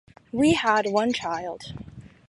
We had one child.